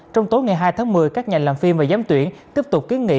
trong tối ngày hai tháng một mươi các nhà làm phim và giám tuyển tiếp tục kiến nghị